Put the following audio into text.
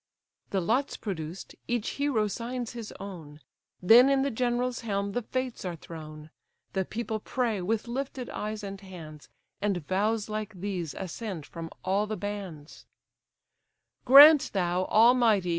The lots produced, each hero signs his own: Then in the general's helm the fates are thrown, The people pray, with lifted eyes and hands, And vows like these ascend from all the bands: "Grant, thou Almighty!